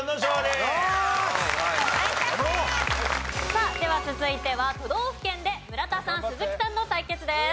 さあでは続いては都道府県で村田さん鈴木さんの対決です。